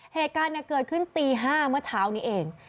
เหตุการณ์เกิดขึ้นตี๕เมื่อเช้านี้เอง